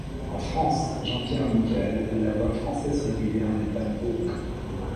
En France, Jean-Pierre Michaël est la voix française régulière d'Ethan Hawke.